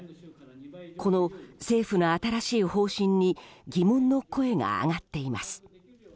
この政府の新しい方針に疑問の声が上がっています。